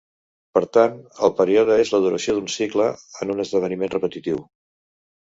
Per tant, el període és la duració d'un cicle en un esdeveniment repetitiu.